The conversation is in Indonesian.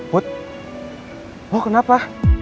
put lo kenapa